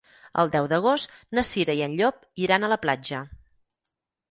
El deu d'agost na Cira i en Llop iran a la platja.